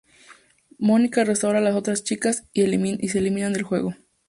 Monika restaura a las otras chicas y se elimina del juego.